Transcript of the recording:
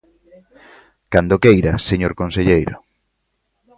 Cando queira, señor conselleiro.